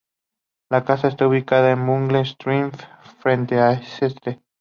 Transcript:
La casa está ubicada en Bugle Street, frente a St.